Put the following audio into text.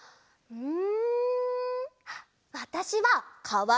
うん！